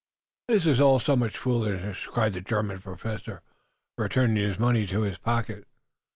"Ach! This is all so much foolishness!" cried the German Professor, returning his money to his pocket.